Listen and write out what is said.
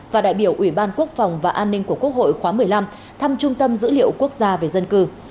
và đại biểu ủy ban quốc phòng và an ninh của quốc hội khóa một mươi năm thăm trung tâm dữ liệu quốc gia về dân cư